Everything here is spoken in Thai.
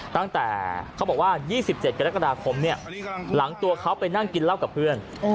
ตั้งแต่เขาบอกว่า๒๗กรกฎาคมเนี่ยหลังตัวเขาไปนั่งกินเหล้ากับเพื่อน